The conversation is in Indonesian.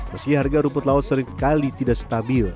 meski harga rumput laut seringkali tidak stabil